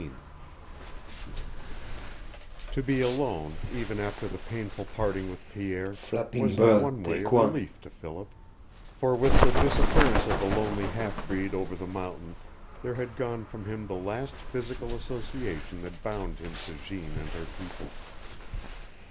XIX To be alone, even after the painful parting with Pierre, was in one way a relief to Philip, for with the disappearance of the lonely half breed over the mountain there had gone from him the last physical association that bound him to Jeanne and her people.